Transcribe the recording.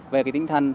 về tinh thần